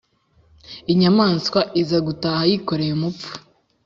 inyamaswa iza gutaha yikoreye umupfu